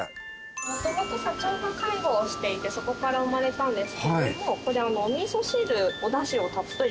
もともと社長が介護をしていてそこから生まれたんですけれども。